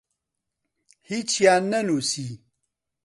هیچیان نەنووسی.